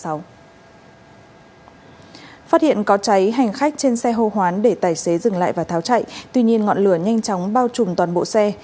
phát hiện có cháy hành khách trên xe hô hoán để tài xế dừng lại và tháo chạy tuy nhiên ngọn lửa nhanh chóng bao trùm toàn bộ xe